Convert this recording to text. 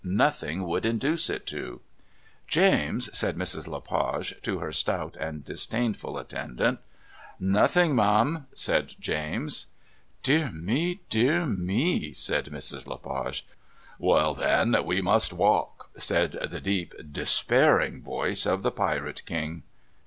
Nothing would induce it to. "James," said Mrs. Le Page to her stout and disdainful attendant. "Nothing, ma'am," said James. "Dear me, dear me," said Mrs. Le Page. "Well then, we must walk," said the deep despairing voice of the Pirate King.